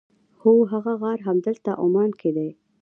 هو هغه غار همدلته عمان کې دی.